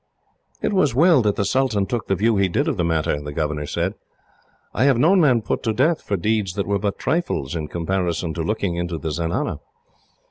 "It was well that the sultan took the view he did of the matter," the governor said. "I have known men put to death, for deeds that were but trifles in comparison to looking into the zenana.